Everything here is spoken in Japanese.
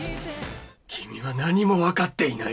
君は何も分かっていない。